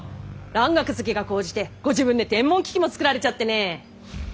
蘭学好きが高じてご自分で天文機器も作られちゃってね。